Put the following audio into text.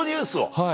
はい。